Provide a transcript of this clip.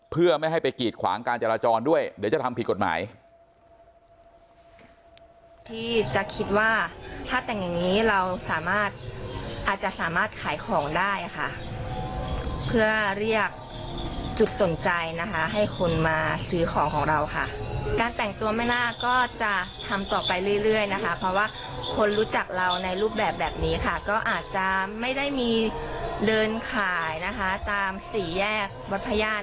เพื่อไม่ให้ไปกีดขวางการจราจรด้วยเดี๋ยวจะทำผิดกฎหมาย